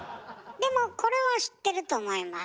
でもこれは知ってると思います。